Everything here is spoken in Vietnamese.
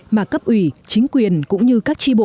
mà cấp ủy chính quyền cũng như các trường hợp